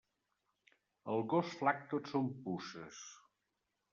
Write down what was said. Al gos flac tot són puces.